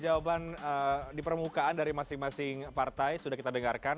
jawaban di permukaan dari masing masing partai sudah kita dengarkan